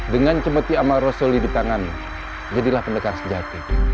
dengan cemeti amal rosoli di tanganmu jadilah pendekar sejati